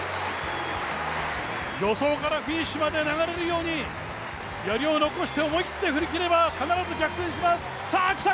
助走からフィニッシュまで流れに従って思い切って振り切れば必ず逆転します。